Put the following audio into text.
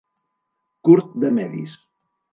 Curt de medis.